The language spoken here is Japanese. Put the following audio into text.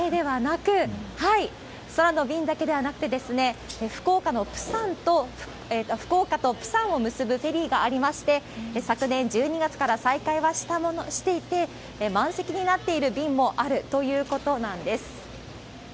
空の便だけではなく、福岡と、プサンを結ぶフェリーがありまして、昨年１２月から再開はしていて、満席になっている便もあるということなんです。